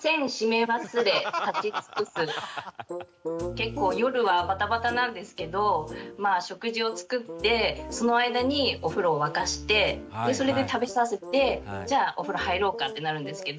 結構夜はバタバタなんですけど食事を作ってその間にお風呂を沸かしてでそれで食べさせてじゃあお風呂入ろうかってなるんですけど。